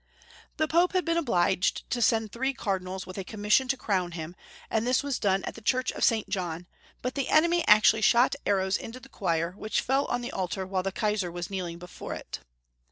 The Pope had been obliged to send three Cardinals with a commission to crown him, and this was done at the Church of St. John, but the enemy actually shot arrows into the choir, which fell on the altar while the Kaisar was kneeling before it.